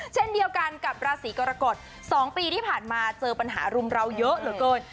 เช่นเดียวกันกับราศีกรกฎ๒ปีที่ผ่านมาเจอปัญหารุมเราเยอะเหลือเกิน